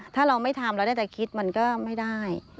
ถ้าเราไม่ทำเราได้แต่คิดมันก็ไม่ได้